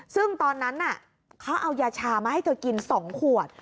ซึ่งตอนนั้นเขาเอายาชามาให้เธอกิน๒ขวด